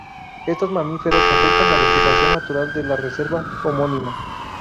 Estos mamíferos afectan la vegetación natural de la reserva homónima.